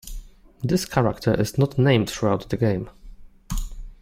This character is not named throughout the game.